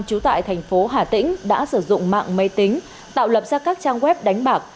trú tại thành phố hà tĩnh đã sử dụng mạng máy tính tạo lập ra các trang web đánh bạc